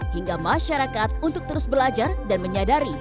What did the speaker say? hingga masyarakat untuk terus belajar dan menyadari